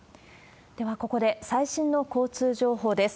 では、ここで最新の交通情報です。